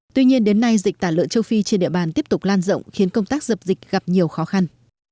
tuy nhiên đến nay dịch tả lợn châu phi trên địa bàn tiếp tục lan rộng khiến công tác dập dịch gặp nhiều khó khăn